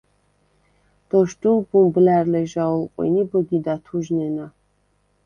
დოშდულ ბუმბლა̈რ ლეჟა ოლყვინ ი ბჷგიდ ათუჟნენა.